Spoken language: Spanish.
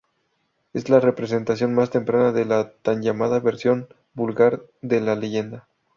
Es la representación más temprana de la tan llamada versión "vulgar" de la leyenda.